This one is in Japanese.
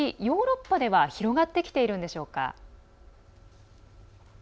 ヨーロッパでは広がってきているんでしょうか？